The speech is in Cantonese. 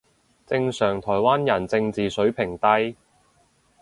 正常台灣人正字水平低